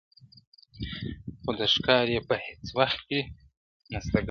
خو د ښکار یې په هیڅ وخت کي نسته ګټه-